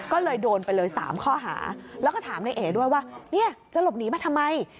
ก็เลยโดนไปเลย๓ข้อหาแล้วก็ถามในเอด้วยว่าเนี่ยจะหลบหนีมาทำไม